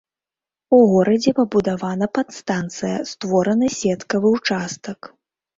У горадзе пабудавана падстанцыя, створаны сеткавы ўчастак.